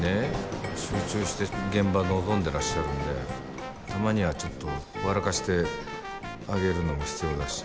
集中して現場臨んでらっしゃるんでたまにはちょっと笑かしてあげるのも必要だし。